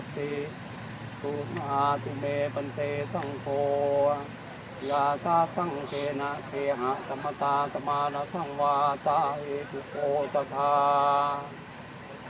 ทุกมหาธิเมปันเศษังโฆยาชะสังเทนะเทหะสัมมตาสัมมานสังวาสะเอพุโฆจัทธา